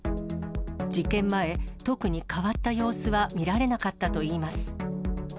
事件前、特に変わった様子は見られなかったといいます。